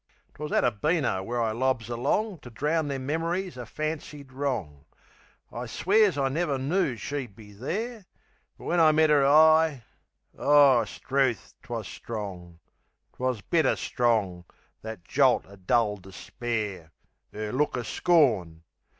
'Twas at a beano where I lobs along To drown them memories o' fancied wrong. I swears I never knoo that she'd be there. But when I met 'er eye O, 'struth, 'twas strong! 'Twas bitter strong, that jolt o' dull despair! 'Er look o' scorn!...